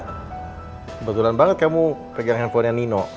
kebetulan banget kamu pegang handphonenya nino